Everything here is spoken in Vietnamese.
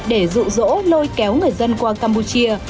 để rụ rỗ lôi kéo người dân qua campuchia